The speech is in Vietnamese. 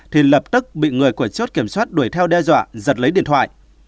thì lập tức bị người của chốt kiểm soát đuổi theo đe dọa giật lấy điện thoại